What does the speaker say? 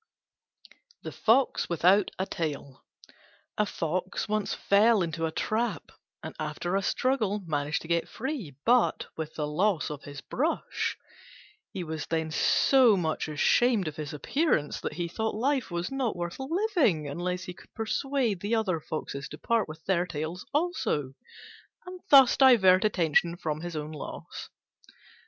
THE FOX WITHOUT A TAIL A fox once fell into a trap, and after a struggle managed to get free, but with the loss of his brush. He was then so much ashamed of his appearance that he thought life was not worth living unless he could persuade the other Foxes to part with their tails also, and thus divert attention from his own loss.